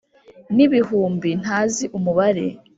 n’ibihumbi ntazi umubare